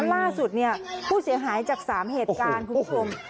ล่าสุดเนี่ยผู้เสียหายจาก๓เหตุการณ์คุณผู้ชม